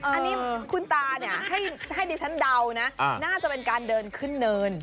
อันนี้คุณตาเนี่ยให้ดิฉันเดานะน่าจะเป็นการเดินขึ้นเนิน